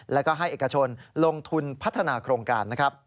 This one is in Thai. แล้วก็ให้เอกชนลงทุนพัฒนาโครงการนะครับ